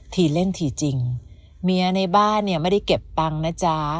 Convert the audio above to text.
ทีเล่นทีจริงเมียในบ้านเนี่ยไม่ได้เก็บตังค์นะจ๊ะ